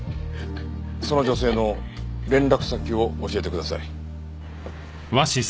その女性の連絡先を教えてください。